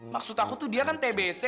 maksud aku tuh dia kan tbc